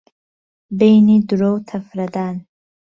بهینی درۆ و تهفره دان